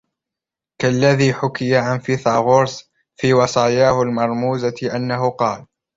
كَاَلَّذِي حُكِيَ عَنْ فِيثَاغُورْسَ فِي وَصَايَاهُ الْمَرْمُوزَةِ أَنَّهُ قَالَ